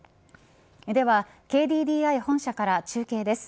ではＫＤＤＩ本社から中継です。